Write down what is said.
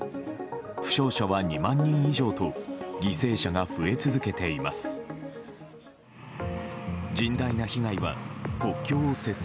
負傷者は２万人以上と犠牲者が増え続けています。